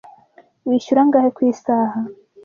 Wishyura angahe ku isaha?